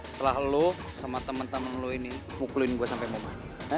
setelah lu sama temen temen lu ini mukulin gua sampe momen